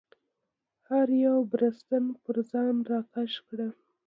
هر یو بړستن پر ځان راکش کړه.